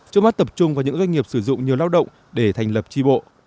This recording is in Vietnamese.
trước mắt tập trung vào những doanh nghiệp sử dụng nhiều lao động để thành lập tri bộ